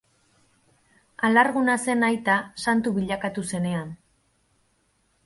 Alarguna zen aita santu bilakatu zenean.